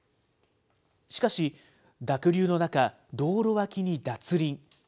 しかし、濁流の中、道路脇に脱輪。